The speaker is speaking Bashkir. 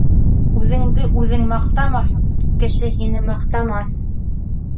Үҙенде үҙең маҡтамаһаң, Кеше һине маҡтамаҫ.